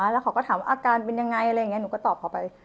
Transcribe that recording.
แล้วเขาก็ถามว่าอาการเป็นยังไงอะไรอย่างนี้หนูก็ตอบเขาไป